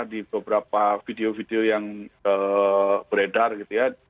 di beberapa video video yang beredar gitu ya